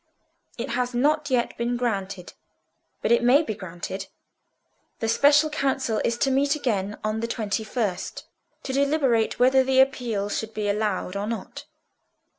"It has not yet been granted; but it may be granted. The Special Council is to meet again on the twenty first to deliberate whether the Appeal shall be allowed or not.